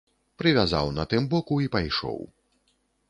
Прывязаў на тым боку і пайшоў.